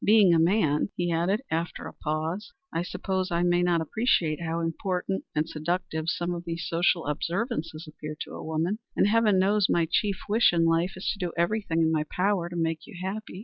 Being a man," he added, after a pause, "I suppose I may not appreciate how important and seductive some of these social observances appear to a woman, and heaven knows my chief wish in life is to do everything in my power to make you happy.